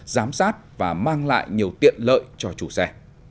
giám sát và mang lại nhiều tiện lợi cho chủ xe